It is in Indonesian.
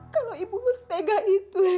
kalau ibu mustega itu ren